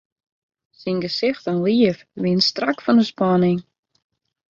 Syn gesicht en liif wiene strak fan 'e spanning.